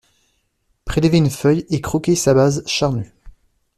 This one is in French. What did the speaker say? Prélevez une feuille et croquez sa base charnue